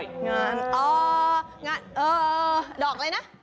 เออเออเออเออดอกเลยนะ